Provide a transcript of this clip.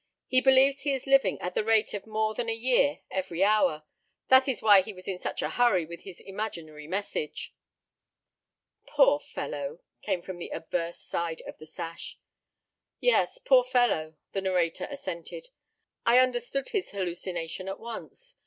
He believes he is living at the rate of more than a year every hour. This is why he was in such a hurry with his imaginary message." "Poor fellow," came from the obverse side of the sash. "Yes, poor fellow," the narrator assented. "I understood his hallucination at once.